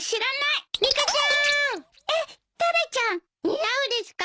似合うですか？